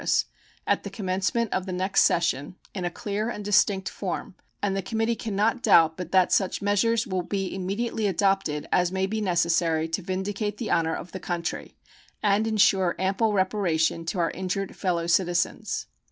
The subject will then be presented before Congress, at the commencement of the next session, in a clear and distinct form, and the committee can not doubt but that such measures will be immediately adopted as may be necessary to vindicate the honor of the country and insure ample reparation to our injured fellow citizens.